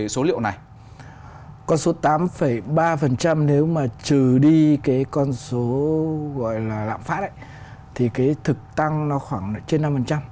con số tám ba nếu mà trừ đi cái con số gọi là lạm phát ấy thì cái thực tăng nó khoảng trên năm